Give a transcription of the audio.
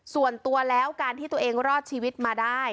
ส่วนตัวแล้วการที่ตัวเองรอดชีวิตมาได้